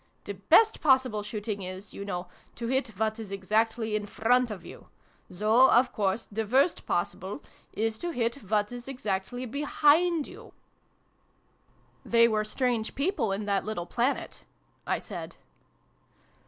The best possible shooting is, you know, to hit what is exactly in front of you : so of course the worst possible is to hit what is exactly behind you." 172 SYLVIE AND BRUNO CONCLUDED. " They were strange people in that little planet !" I said.